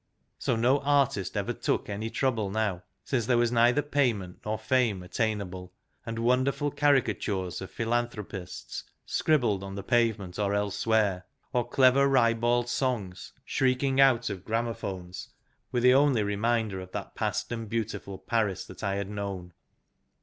So no artist ever took any trouble now, since there was neither payment nor fame attainable ; and wonder ful caricatures of philanthropists scribbled on the pave ment or elsewhere, or clever ribald songs shrieking out of gramophones were the only reminder of that past and beautiful Paris that I had known.